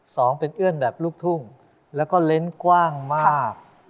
สองเป็นเอื้อนแบบลูกทุ่งแล้วก็เล้นกว้างมาก